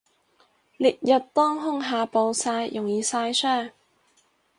烈日當空下暴曬容易曬傷